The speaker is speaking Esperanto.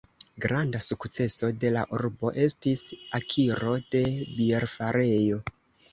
Granda sukceso de la urbo estis akiro de bierfarejo.